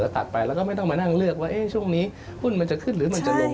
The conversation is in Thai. ตัดไปแล้วก็ไม่ต้องมานั่งเลือกว่าช่วงนี้หุ้นมันจะขึ้นหรือมันจะลง